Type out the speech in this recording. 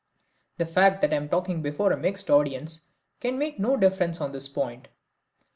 The fact that I am talking before a mixed audience can make no difference on this point.